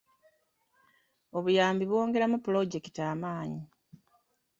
Obuyambi bwongeramu pulojekiti amaanyi.